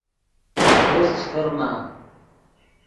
خوست چے فرما